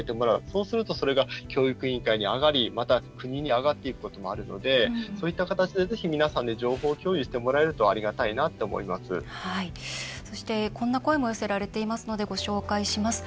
そうするとそれが教育委員会に上がりまた、国に上がっていくこともあるのでそういった形で、ぜひ皆さんで情報共有してもらえるとそして、こんな声も寄せられていますのでご紹介します。